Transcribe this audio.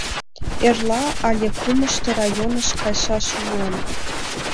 Эрла але кумышто районыш кайшаш улам.